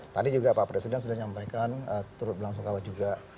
tadi juga pak presiden sudah nyampaikan turut berlangsung kawah juga